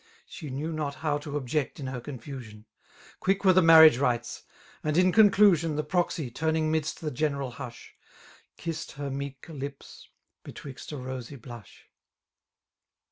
She knew not how to object in har confusion^ Quick were the marriage rites ^ and, in condusio^. "J 1 80 The proxy^ turning midist the general hush; Kissed her meek lip«i> betwUt a Fosy blush.